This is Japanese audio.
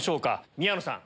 宮野さん。